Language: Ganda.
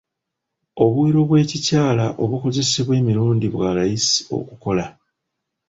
Obuwero bw'ekikyala obukozesebwa emirundi bwa layisi okukola.